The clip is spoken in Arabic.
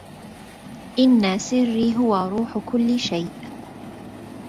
إن سري هو روح كل شي